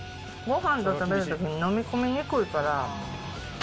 ごはんと食べるときに飲み込みにくいから。